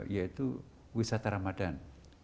yaitu wisata ramadan